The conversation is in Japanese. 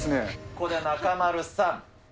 ここで中丸さん、え？